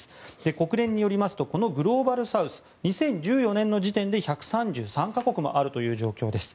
国連によりますとこのグローバルサウス２０１４年の時点で１３３か国もあるという状況です。